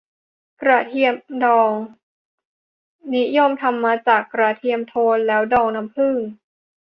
กระเทียมดอง นิยมทำมาจากกระเทียมโทน แล้วดองน้ำผึ้ง